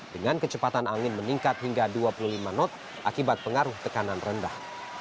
dengan kecepatan angin meningkat hingga dua puluh lima knot akibat pengaruh tekanan rendah